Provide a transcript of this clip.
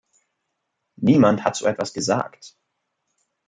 Niemand hat so etwas gesagt!